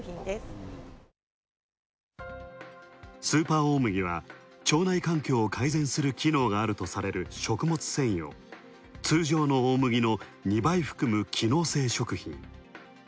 スーパー大麦は、腸内環境を改善する機能があるとされる食物繊維を、通常の大麦の２倍含む機能性食品。